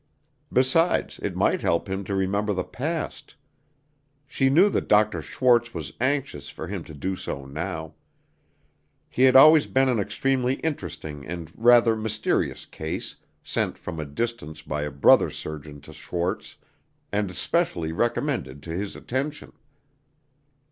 Besides, it might help him to remember the past. She knew that Dr. Schwarz was anxious for him to do so now. He had always been an extremely interesting and rather mysterious "case," sent from a distance by a brother surgeon to Schwarz, and specially recommended to his attention.